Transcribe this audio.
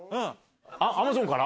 アマゾンから？